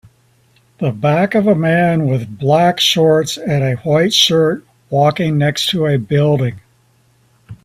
The back of a man with black shorts and a white shirts walking next to a building.